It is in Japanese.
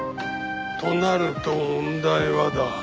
となると問題はだ。